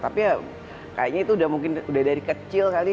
tapi ya kayaknya itu udah mungkin udah dari kecil kali